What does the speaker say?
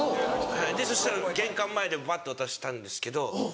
そしたら玄関前でパッと渡したんですけど。